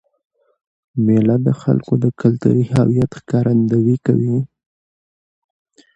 مېله د خلکو د کلتوري هویت ښکارندويي کوي.